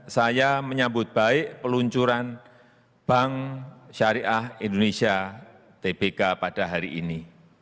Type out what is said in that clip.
saya menyambut baik peluncuran bank syariah indonesia tbk pada hari ini